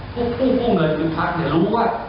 ผู้คู่เงินเงินพักรู้ว่า